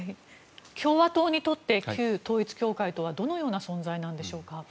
共和党にとって旧統一教会とはどのような存在なんでしょうか。